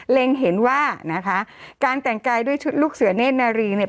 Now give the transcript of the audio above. เห็นว่านะคะการแต่งกายด้วยชุดลูกเสือเนธนารีเนี่ย